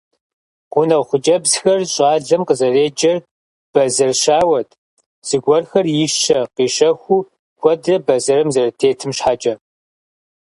Гъунэгъу хъыджэбзхэр щӀалэм къызэреджэр бэзэр щауэт, зыгуэрхэр ищэ-къищэхуу куэдрэ бэзэрым зэрытетым щхьэкӀэ.